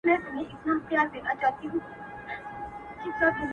سپوږميه کړنگ وهه راخېژه وايم”